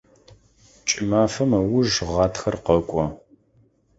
Кӏымафэм ыуж гъатхэр къэкӏо.